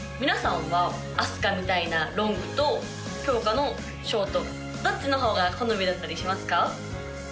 皆さんはあすかみたいなロングときょうかのショートどっちの方が好みだったりしますか？